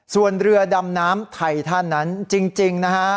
ส่วนเรือดำน้ำไทยท่านนั้นจริงนะฮะ